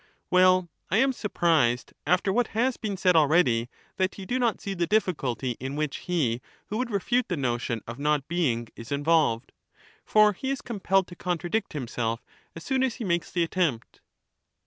Well, I am surprised, after what has been said already, that you do not see the difficulty in which he who would refute the notion of not being is involved. For he is com pelled to contradict himself as soon as he makes the attempt.